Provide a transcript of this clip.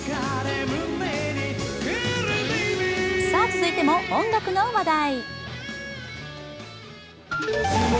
続いても音楽の話題。